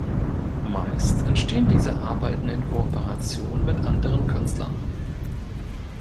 Meist entstehen diese Arbeiten in Kooperation mit anderen Künstlern.